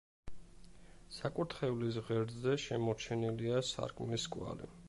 საკურთხევლის ღერძზე შემორჩენილია სარკმლის კვალი.